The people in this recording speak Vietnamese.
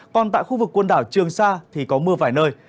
còn tại khu vực quần đảo trường sa thì có mưa vài nơi